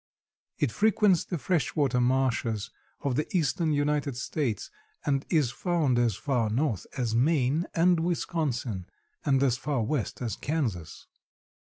It frequents the fresh water marshes of the eastern United States and is found as far north as Maine and Wisconsin and as far west as Kansas.